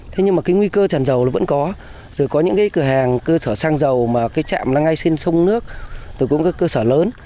thế nhưng mà cái nguy cơ tràn dầu nó vẫn có rồi có những cái cửa hàng cơ sở xăng dầu mà cái chạm là ngay trên sông nước từ cũng có cơ sở lớn